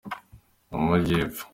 amajyepfo.